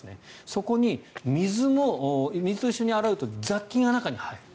そこに、水と一緒に洗うと雑菌も中に入る。